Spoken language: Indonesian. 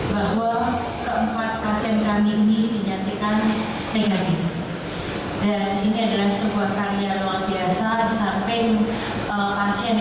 bahwa keempat pasien kami ini dinyatakan negatif